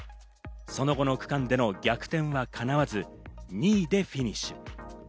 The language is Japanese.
その後の区間での逆転はかなわず２位でフィニッシュ。